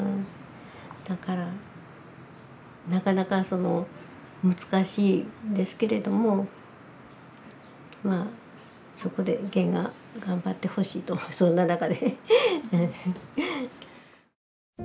だからなかなか難しいですけれどもまあそこでゲンが頑張ってほしいとそんな中で。